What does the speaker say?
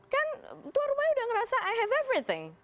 kan tuan rumahnya udah ngerasa i have everything